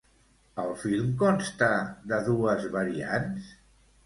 El film consta de dues variants?